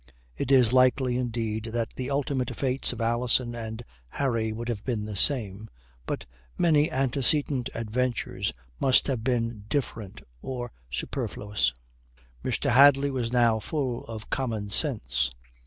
It is likely, indeed, that the ultimate fates of Alison and Harry would have been the same. But many antecedent adventures must have been different or superfluous. Mr. Hadley was now full of common sense.